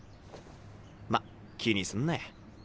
まっ気にすんなや。